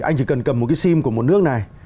anh chỉ cần cầm một cái sim của một nước này